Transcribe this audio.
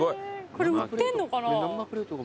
これ売ってんのかな？